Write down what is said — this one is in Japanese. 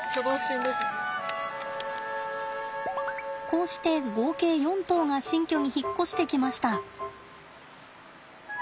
こうして合計４頭が新居に引っ越してきました。